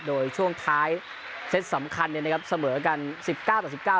โดยช่วงท้ายเซตสำคัญเนี่ยนะครับเสมอกันสิบเก้าต่อสิบเก้า